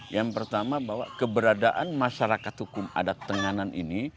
yang pertama bahwa keberadaan masyarakat hukum adat tenganan ini